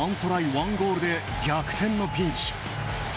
１ゴールで逆転のピンチ。